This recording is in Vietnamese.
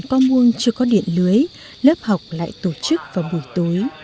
khi co muông chưa có điện lưới lớp học lại tổ chức vào buổi tối